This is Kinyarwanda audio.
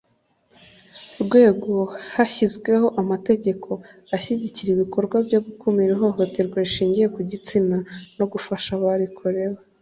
rwego hashyizweho amategeko ashyigikira ibikorwa byo gukumira ihohoterwa rishingiye ku gitsina no gufasha abarikorewe